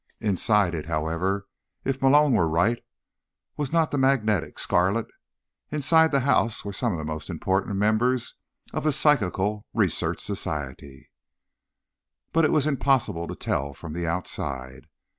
Inside it, however, if Malone were right, was not the magnetic Scarlett. Inside the house were some of the most important members of the Psychical Research Society. But it was impossible to tell from the outside.